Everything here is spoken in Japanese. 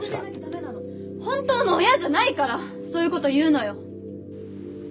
本当の親じゃないからそういう事言うのよ！